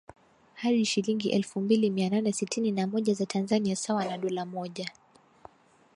hadi shilingi elfu mbili mia nane sitini na moja za Tanzania sawa na dola mmoja